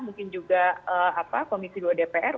mungkin juga komisi dua dpr